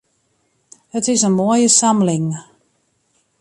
It is in moaie samling.